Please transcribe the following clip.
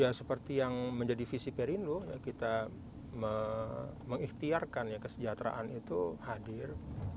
ya seperti yang menjadi visi perindu kita mengikhtiarkan kesejahteraan itu hadir